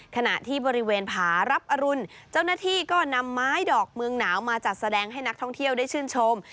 ขณะที่บริเวณผารับอรุณเจ้าหน้าที่ก็นำไม้ดอกเมืองหนาวมาจัดแสดงให้นักท่องเที่ยวได้ชื่นชม